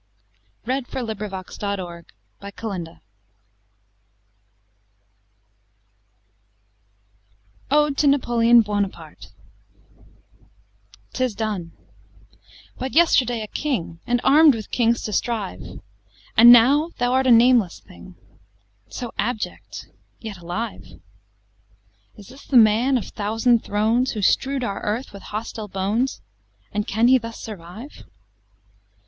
M N . O P . Q R . S T . U V . W X . Y Z Ode to Napoleon Buonoparte I 'TIS done but yesterday a King! And arm'd with Kings to strive And now thou art a nameless thing: So abject yet alive! Is this the man of thousand thrones, Who strew'd our earth with hostile bones, And can he thus survive?